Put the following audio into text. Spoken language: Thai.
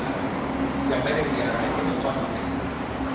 ยังไม่มีอะไรที่จะส่องบนเข้า